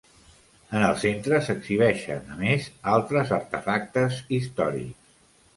En el centre s'exhibeixen, a més, altres artefactes històrics.